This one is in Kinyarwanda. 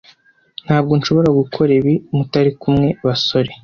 Ntabwo nshobora gukora ibi mutari kumwe basore.